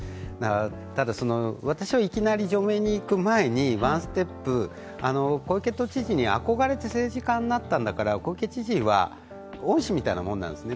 ただ、私はいきなり除名にいく前にワンステップ、小池都知事に憧れて政治家になったんだから小池知事は恩師みたいなもんなんですね。